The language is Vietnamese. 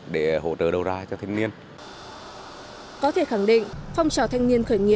để hỗ trợ đồng hình